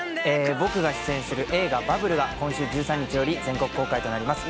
僕が出演する映画『バブル』が今週１３日より全国公開となります。